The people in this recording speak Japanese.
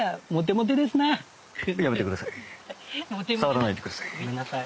触らないでください。